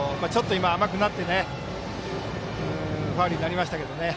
今、甘くなってファウルになりましたけどね。